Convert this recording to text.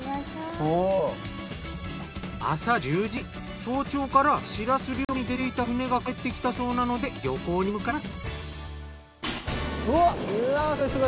朝１０時早朝からしらす漁に出ていた船が帰ってきたそうなので漁港に向かいます。